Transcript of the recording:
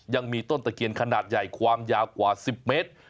ยังมีต้นตะเคียนขนาดใหญ่ความยาวกว่า๑๐เมตร